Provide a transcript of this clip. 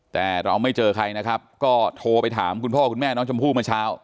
แต่เราไม่เจอใครนะครับก็โทรไปถามคุณพ่อคุณแม่น้องชมพู่เมื่อเช้า